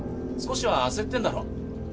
少しは焦ってんだろ。